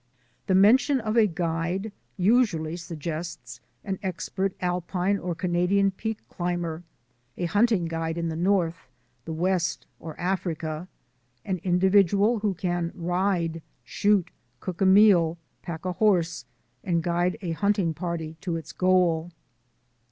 The mention of a guide usually suggests an expert alpine or Canadian peak climber, a hunting guide in the North, the West, or Africa; an individual who can ride, shoot, cook a meal, pack a horse, and guide a hunting party to its goal.